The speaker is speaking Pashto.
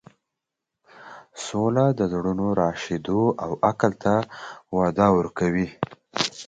سوله د زړونو راشدو او عقل ته وده ورکوي.